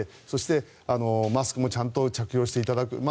そして、マスクもちゃんと着用していただく。